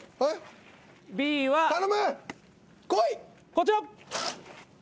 こちら。